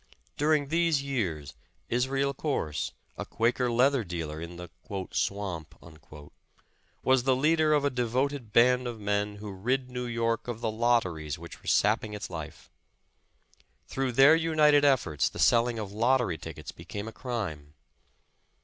During these years Israel Corse, a Quaker leather dealer in the ''Swamp," was the leader of a devoted band of men who rid New York of the lotteries which were sapping its life. Through their united efforts, the selling of lot tery tickets became a crime.